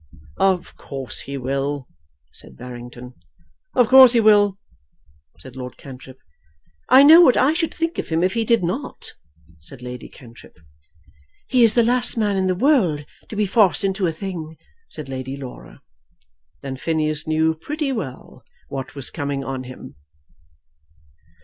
"Of course he will," said Barrington. "Of course he will," said Lord Cantrip. "I know what I should think of him if he did not," said Lady Cantrip. "He is the last man in the world to be forced into a thing," said Lady Laura. Then Phineas knew pretty well what was coming on him.